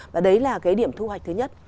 và đấy là cái điểm thu hoạch thứ nhất